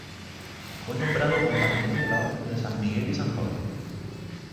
Fue nombrado compañero de la Orden de San Miguel y San Jorge.